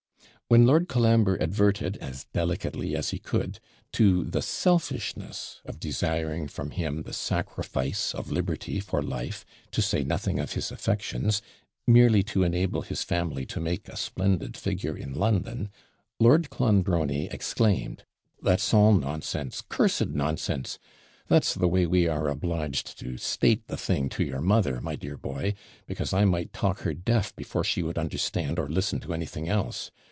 When Lord Colambre adverted, as delicately as he could, to the selfishness of desiring from him the sacrifice of liberty for life, to say nothing of his affections, merely to enable his family to make a splendid figure in London, Lord Clonbrony exclaimed, 'That's all nonsense! cursed nonsense! That's the way we are obliged to state the thing to your mother, my dear boy, because I might talk her deaf before she would understand or listen to anything else.